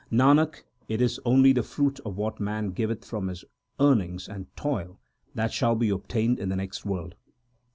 Nanak, it is only the fruit of what man giveth from his earnings and toil that shall be obtained in the next world.